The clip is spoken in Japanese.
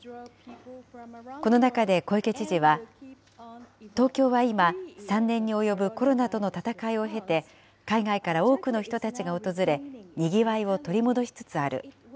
この中で小池知事は、東京は今、３年に及ぶコロナとの闘いを経て、海外から多くの人たちが訪れ、にぎわいを取り戻しつつある。